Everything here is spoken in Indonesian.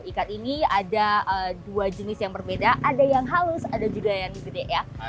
ikan ini ada dua jenis yang berbeda ada yang halus ada juga yang gede ya